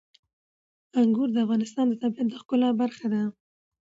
انګور د افغانستان د طبیعت د ښکلا برخه ده.